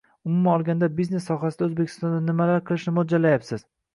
Umuman olganda, biznes sohasida Oʻzbekistonda nimalar qilishni moʻljallayapsiz?